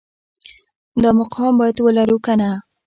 دا مقام باید ولرو که نه